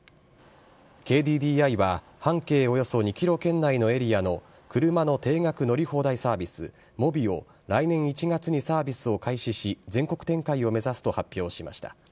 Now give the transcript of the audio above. ＫＤＤＩは、半径およそ２キロ圏内のエリアの車の定額乗り放題サービス、モビを、来年１月にサービスを開始し、全国展開を目指すと発表しました。